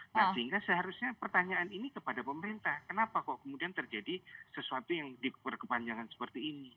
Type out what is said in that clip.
nah sehingga seharusnya pertanyaan ini kepada pemerintah kenapa kok kemudian terjadi sesuatu yang diperkepanjangan seperti ini